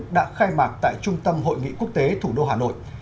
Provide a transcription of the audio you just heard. đã khai mạc tại trung tâm hội nghị quốc tế thủ đô hà nội